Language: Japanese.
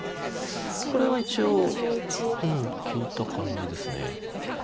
これは一応聞いた感じです。